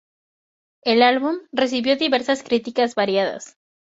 El álbum recibió diversas críticas variadas.